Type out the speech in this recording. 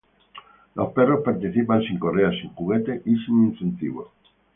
Los perros participan sin correa sin juguetes y sin incentivos.